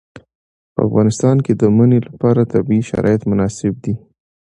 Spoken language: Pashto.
په افغانستان کې د منی لپاره طبیعي شرایط مناسب دي.